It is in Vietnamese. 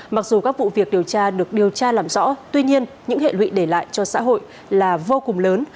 mặc dù các vụ việc điều tra được điều tra làm rõ tuy nhiên những hệ lụy để lại cho xã hội là vô cùng lớn